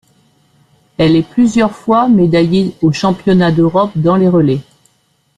Elle est plusieurs fois médaillée aux Championnats d'Europe dans les relais.